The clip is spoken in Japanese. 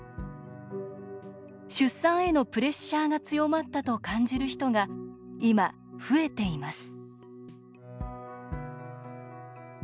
出産へのプレッシャーが強まったと感じる人が今、増えています